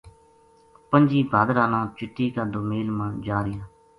پنجی بھادرا نا چٹی کا دومیل ما جا رہیا